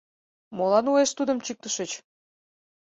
— Молан уэш тудым чӱктышыч?